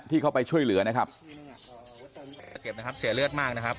ที่เข้าไปช่วยเหลือนะครับเจ็บนะครับเสียเลือดมากนะครับ